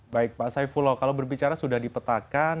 baik pak saifullah kalau berbicara sudah dipetakan